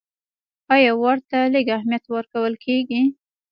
یا ورته لږ اهمیت ورکول کېږي.